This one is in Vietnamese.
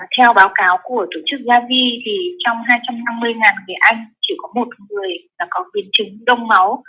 theo báo cáo của tổ chức davi trong hai trăm năm mươi người anh chỉ có một người có biến chứng đông máu